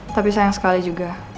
tapi sayang sekali juga